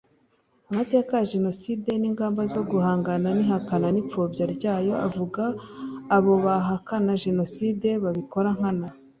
amateka ya Jenoside n ingamba zo guhangana n ihakana nipfobya ryayo avuga abo bahakana jenoside babikora nkana.